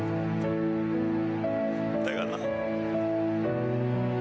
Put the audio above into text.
だから。